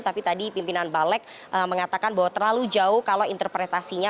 tapi tadi pimpinan balek mengatakan bahwa terlalu jauh kalau interpretasinya